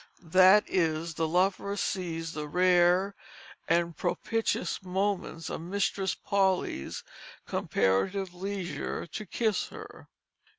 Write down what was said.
That is, the lover seized the rare and propitious moments of Mistress Polly's comparative leisure to kiss her.